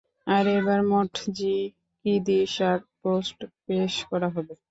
আর এবার মটজি, কিদিশ আর টোস্ট পেশ করা হবে।